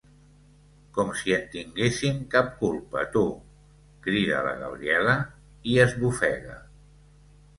Com si en tinguessis cap culpa, tu! –crida la Gabriela, i esbufega–.